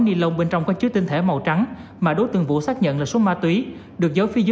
ni lông bên trong có chứa tinh thể màu trắng mà đối tượng vũ xác nhận là số ma túy được giấu phía dưới